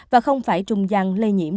và không phải trùng gian lây nhiễm